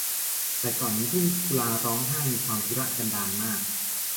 แต่ก่อนนี้ทุ่งกุลาร้องไห้นี้มีความทุรกันดารมาก